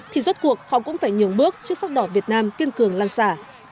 thì rớt cuộc họ cũng phải nhường bước trước sắc đỏ việt nam kiên cường lan xả